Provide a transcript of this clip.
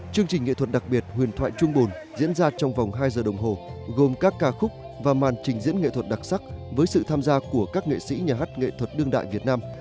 chương trình nghệ thuật đặc biệt huyền thoại trung bồn diễn ra trong vòng hai giờ đồng hồ gồm các ca khúc và màn trình diễn nghệ thuật đặc sắc với sự tham gia của các nghệ sĩ nhà hát nghệ thuật đương đại việt nam